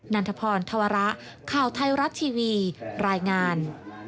ันทพรธวระข่าวไทยรัฐทีวีรายงาน